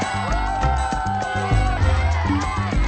tuk tuk tuk